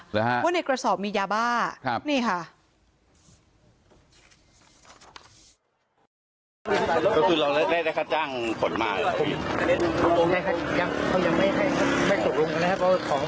หรือครับว่าในกระสอบมียาบ้านี่ค่ะครับ